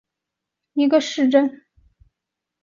哈豪森是德国下萨克森州的一个市镇。